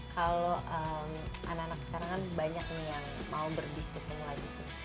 kalau anak anak sekarang kan banyak nih yang mau berbisnis memulai bisnis